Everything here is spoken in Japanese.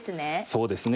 そうですね。